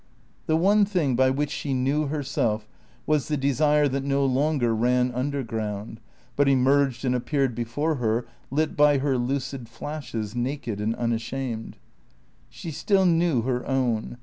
The one thing by which she knew herself was the desire that no longer ran underground, but emerged and appeared before her, lit by her lucid flashes, naked and unashamed. She still knew her own.